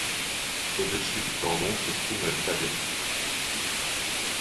Au-dessus du cordon se trouve la tablette.